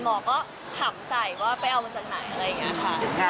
หมอก็ขำใส่ว่าไปเอามาจากไหนอะไรอย่างนี้ค่ะ